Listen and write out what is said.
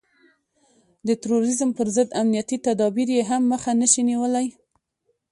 د تروريزم پر ضد امنيتي تدابير يې هم مخه نشي نيولای.